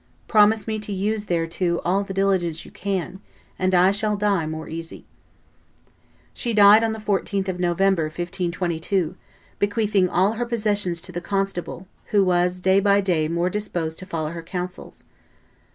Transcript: Promise me to use thereto all the diligence you can, and I shall die more easy." She died on the 14th of November, 1522, bequeathing all her possessions to the constable, who was day by day more disposed to follow her counsels.